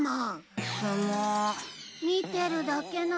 見てるだけなら。